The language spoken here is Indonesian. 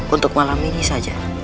untuk malam ini saja